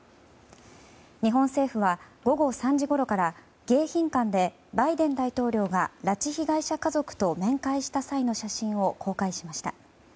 日本政府は午後３時ごろから迎賓館でバイデン大統領が拉致被害者家族と面会した際の写真を公開しました。